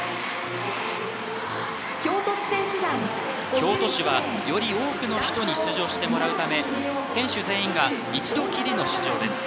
京都市は、より多くの人に出場してもらうため選手全員が一度きりの出場です。